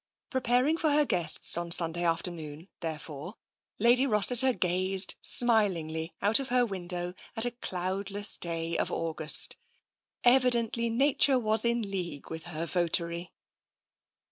Preparing for her guests on Sunday afternoon, there fore. Lady Rossiter gazed smilingly out of her window at a cloudless day of August. Evidently Nature was in league with her votary.